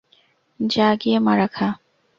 যা গিয়ে মারা খা।